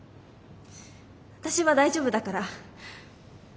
私は大丈夫だから。